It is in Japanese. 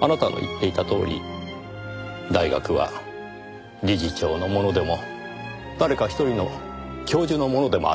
あなたの言っていたとおり大学は理事長のものでも誰か一人の教授のものでもありません。